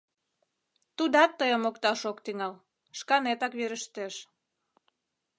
Тудат тыйым мокташ ок тӱҥал, шканетак верештеш...